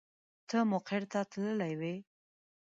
ته مقر ته تللې وې.